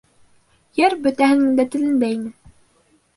Йыр бөтәһенең дә телендә ине